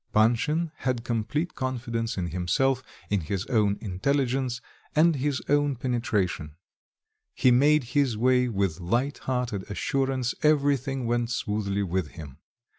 Panshin had complete confidence in himself, in his own intelligence, and his own penetration; he made his way with light hearted assurance, everything went smoothly with him.